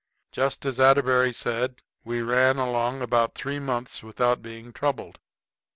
Just as Atterbury said, we ran along about three months without being troubled.